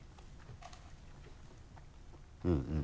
うんうん。